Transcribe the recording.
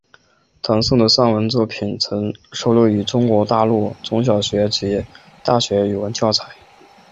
唐弢的散文作品曾收录于中国大陆中小学及大学语文教材。